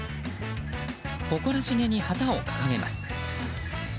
誇らしげに旗を掲げます。